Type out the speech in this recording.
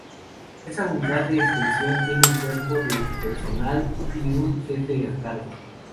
Esa unidad de extensión tiene un cuerpo de personal y un jefe a cargo.